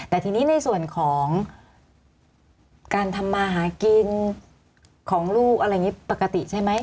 แต่ทีนี้ในส่วนของการทำมาหากินของลูกอะไรอย่างนี้ปกติใช่ไหม